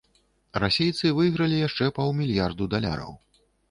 Расейцы выйгралі яшчэ паўмільярду даляраў.